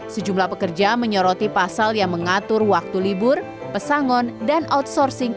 sejumlah pekerja menyoroti pasal yang mengatur waktu libur pesangon dan outsourcing